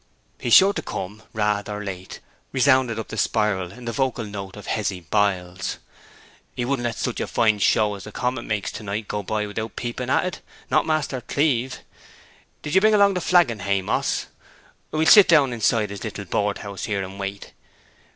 'He's sure to come, rathe or late,' resounded up the spiral in the vocal note of Hezzy Biles. 'He wouldn't let such a fine show as the comet makes to night go by without peeping at it, not Master Cleeve! Did ye bring along the flagon, Haymoss? Then we'll sit down inside his little board house here, and wait.